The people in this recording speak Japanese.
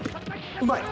うまい！